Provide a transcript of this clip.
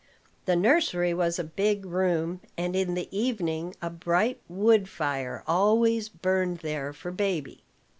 The nursery was a big room, and in the evening a bright wood fire always burned there for baby.